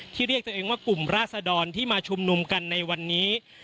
เรียกตัวเองว่ากลุ่มราศดรที่มาชุมนุมกันในวันนี้